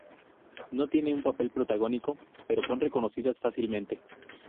No tienen un papel protagónico, pero son reconocidas fácilmente.